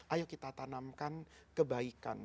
ayo kita tanamkan kebaikan